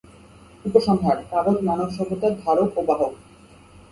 উপসংহার: কাগজ মানবসভ্যতার ধারক ও বাহক।